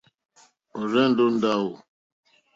Ɔ̀rzɛ̀ndɛ́ ó ndáwò.